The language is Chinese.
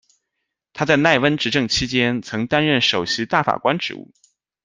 他在奈温执政期间曾担任首席大法官职务。